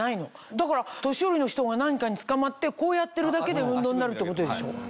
だから年寄りの人が何かにつかまってこうやってるだけで運動になるってことでしょ？